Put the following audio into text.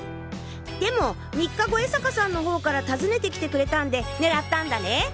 でも３日後江坂さんの方から訪ねてきてくれたんで狙ったんだね。